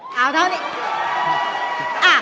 อ๋อเท่านี้